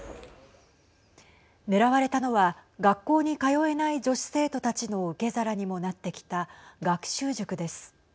狙われたのは学校に通えない女子生徒たちの受け皿にもなってきた学習塾です。